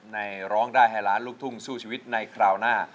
ร้องได้ให้ล้านลูกทุ่งสู้ชีวิตในคราวหน้า